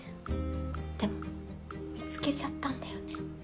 でも見つけちゃったんだよね